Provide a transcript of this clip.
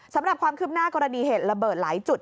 สำหรับความคืบหน้ากรณีเหตุระเบิดหลายจุด